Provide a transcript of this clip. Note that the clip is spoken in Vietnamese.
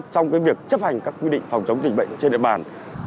trong việc chấp hành các quy định phòng chống dịch bệnh trên địa bàn